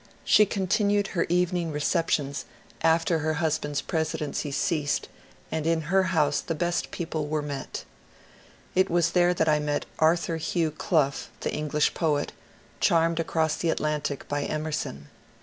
She continued her evening receptions after her husband's presi 156 MONCURE DANIEL CONWAY dency ceased, and in her house the best people were met. It was there that I met Arthur Hugh Clough, the English poet, charmed across the Atlantic by Emerson.